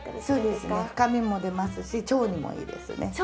そうですね深みも出ますし腸にもいいですね。